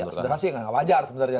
sebenarnya sih enggak wajar sebenarnya